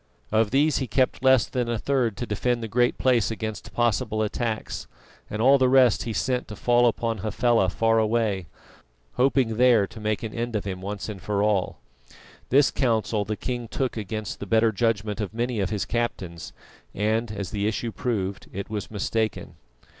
Of these he kept less than a third to defend the Great Place against possible attacks, and all the rest he sent to fall upon Hafela far away, hoping there to make an end of him once and for all. This counsel the king took against the better judgment of many of his captains, and as the issue proved, it was mistaken.